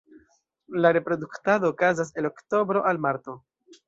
La reproduktado okazas el oktobro al marto.